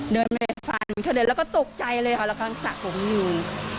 เดินไปฟันเขาเลยและก็ตกใจเลยเขากำลังสระผมอยู่